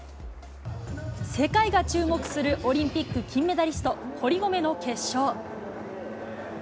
世界が注目するオリンピック金メダリスト、堀米の決勝。